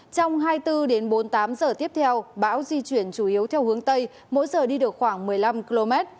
trong hai mươi bốn đến bốn mươi tám giờ tiếp theo bão di chuyển chủ yếu theo hướng tây mỗi giờ đi được khoảng một mươi năm km